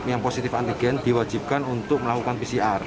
yang positif antigen diwajibkan untuk melakukan pcr